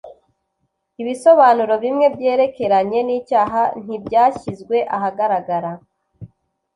ibisobanuro bimwe byerekeranye nicyaha ntibyashyizwe ahagaragara